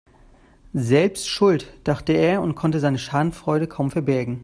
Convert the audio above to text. Selbst schuld, dachte er und konnte seine Schadenfreude kaum verbergen.